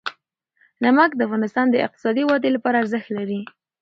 نمک د افغانستان د اقتصادي ودې لپاره ارزښت لري.